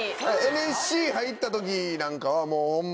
ＮＳＣ入った時なんかはホンマ